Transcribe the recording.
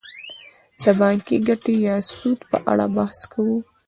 د بانکي ګټې یا سود په اړه بحث کوو